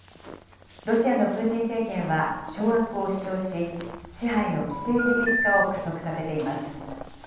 ロシアのプーチン政権は掌握を主張し、支配の既成事実化を加速させています。